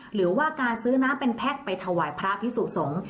หรือว่าการซื้อน้ำเป็นแพ็คไปถวายพระพิสุสงฆ์